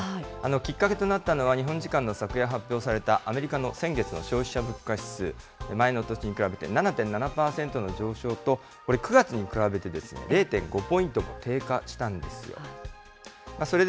きっかけとなったのは、日本時間の昨夜発表されたアメリカの先月の消費者物価指数、前の年に比べて７．７％の上昇と、これ、９月に比べて０．５ポイントも低下したんですよ。